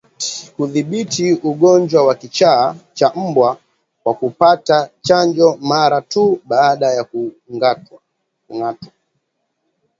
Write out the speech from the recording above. Kudhibiti ugonjwa wa kichaa cha mbwa kwa kupata chanjo mara tu baada ya kungatwa